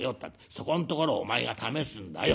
そこんところをお前が試すんだよ」。